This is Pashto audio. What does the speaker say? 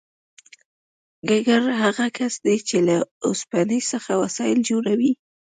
ګګر هغه کس دی چې له اوسپنې څخه وسایل جوړوي